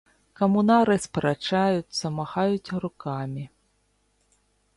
Камунары спрачаюцца, махаюць рукамі.